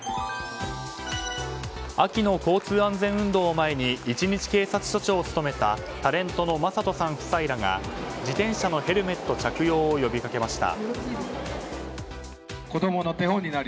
秋の交通安全運動を前に１日警察署長を務めたタレントのマサトさん夫妻らが自転車のヘルメット着用を呼び掛けました。